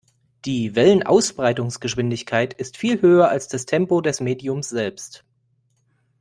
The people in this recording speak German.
Die Wellenausbreitungsgeschwindigkeit ist viel höher als das Tempo des Mediums selbst.